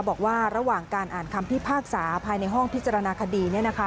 บอกว่าระหว่างการอ่านคำพิพากษาภายในห้องพิจารณาคดี